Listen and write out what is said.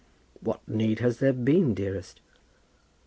"What need has there been, dearest?"